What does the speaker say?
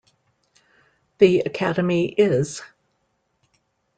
The Academy Is...